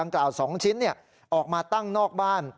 กล่าว๒ชิ้นออกมาตั้งนอกบ้าน